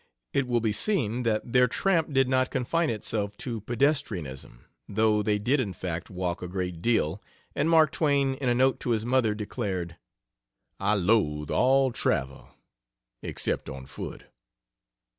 It will be seen that their tramp did not confine itself to pedestrianism, though they did, in fact, walk a great deal, and Mark Twain in a note to his mother declared, "I loathe all travel, except on foot."